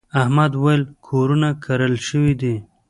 احمد وويل: کورونه کرل شوي دي.